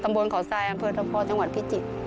ตำบวนขอทรายอังคฤษภพจังหวัดพิจิตร